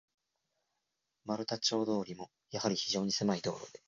丸太町通も、やはり非常にせまい道路で、